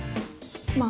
まあ。